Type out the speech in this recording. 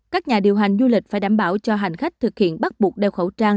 các nhà điều hành du lịch phải đảm bảo cho hành khách thực hiện bắt buộc đeo khẩu trang